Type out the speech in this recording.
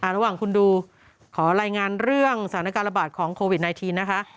ระหว่างคุณดูขอรายงานเรื่องสถานการณ์ระบาดของโควิด๑๙นะคะ